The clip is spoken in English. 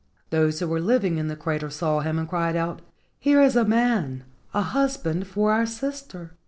Those who were living in the crater saw him, and cried out, "Here is a man, a hus¬ band for our sister."